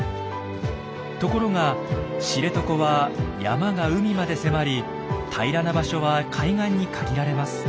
ところが知床は山が海まで迫り平らな場所は海岸に限られます。